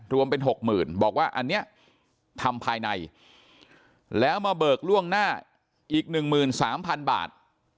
รวมเป็น๖๐๐๐บอกว่าอันนี้ทำภายในแล้วมาเบิกล่วงหน้าอีก๑๓๐๐๐บาท